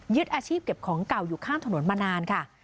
อาชีพเก็บของเก่าอยู่ข้างถนนมานานค่ะ